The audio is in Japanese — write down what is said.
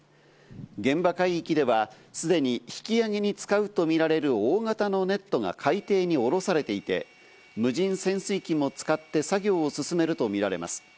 現場海域ではすでに引き揚げに使うとみられる大型のネットが海底に降ろされていて、無人潜水機も使って作業を進めるとみられます。